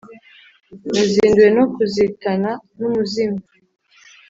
Nazinduwe no kuzitana n’umuzimyi